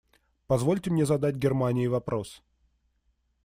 Позвольте мне задать Германии вопрос.